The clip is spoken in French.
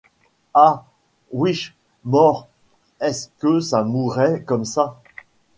Ah! ouiche, mort ! est-ce que ça mourait comme ça?